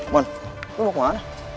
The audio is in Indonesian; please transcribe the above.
mon lo mau kemana